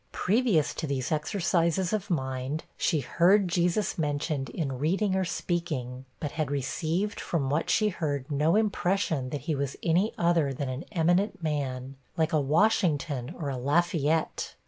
Previous to these exercises of mind, she heard Jesus mentioned in reading or speaking, but had received from what she heard no impression that he was any other than an eminent man, like a Washington or a Lafayette.